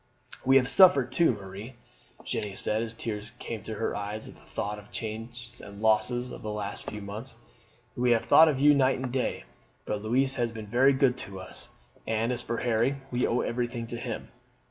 "We have suffered too, Marie," Jeanne said as tears came to her eyes at the thought of the changes and losses of the last few months. "We have thought of you night and day; but Louise has been very good to us, and as for Harry, we owe everything to him.